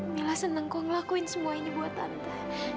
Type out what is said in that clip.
mila senang kau ngelakuin semuanya buat tante